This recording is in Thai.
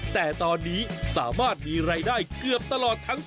แต่ตอนนี้สามารถมีรายได้เกือบตลอดทั้งปี